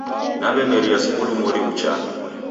Naw'emeria skulu mori ghuchaa